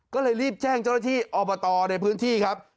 ก็เลยรีบแจ้งเจ้าหน้าที่อบตในพื้นที่ครับ